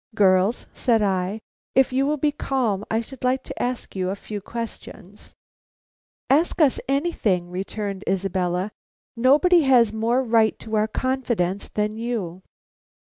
"Girls," said I, "if you will be calm, I should like to ask you a few questions." "Ask us anything," returned Isabella; "nobody has more right to our confidence than you."